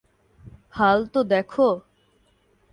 হাল তো দেখো।